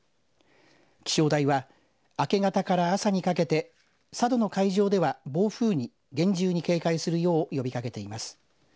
気象台は明け方から朝にかけて佐渡の海上では暴風に厳重に警戒するよう呼びかけています。